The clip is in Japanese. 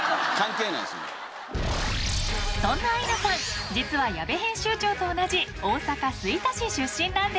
［そんなアイナさん実は矢部編集長と同じ大阪吹田市出身なんです］